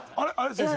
先生。